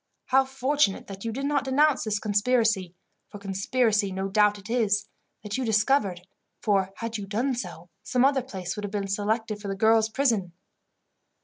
How fortunate that you did not denounce this conspiracy for conspiracy no doubt it is that you discovered, for, had you done so, some other place would have been selected for the girls' prison."